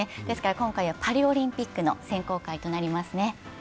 ですから今回はパリオリンピックの選考会となりますね。